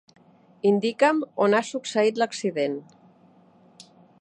Indica'm on ha succeït l'accident.